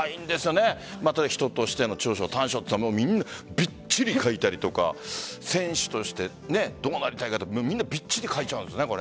人としての長所人としても長所、短所びっちり書いたりとか選手として、とうなのかってみんなきっちり書いちゃうんですね。